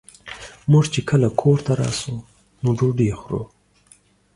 مونږ چې کله کور ته راشو نو ډوډۍ خورو